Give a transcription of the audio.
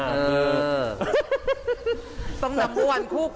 พี่บอกว่าบ้านทุกคนในที่นี่